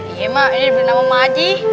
iya mak ini beri nama mak aji